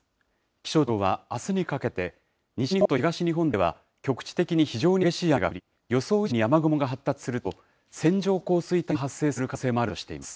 気象庁はあすにかけて、西日本と東日本では、局地的に非常に激しい雨が降り、予想以上に雨雲が発達すると、線状降水帯が発生する可能性もあるとしています。